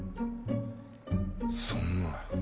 そんな。